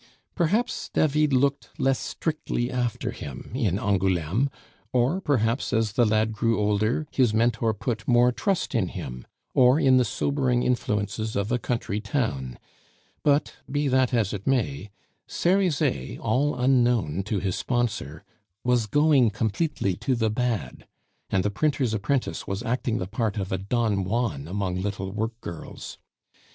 Perhaps David looked less strictly after him in Angouleme; or, perhaps, as the lad grew older, his mentor put more trust in him, or in the sobering influences of a country town; but be that as it may, Cerizet (all unknown to his sponsor) was going completely to the bad, and the printer's apprentice was acting the part of a Don Juan among little work girls.